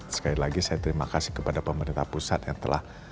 sekali lagi saya terima kasih kepada pemerintah pusat yang telah